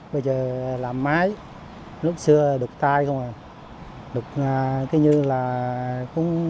bây giờ làm máy lúc xưa đục tay không à đục cái như là cũng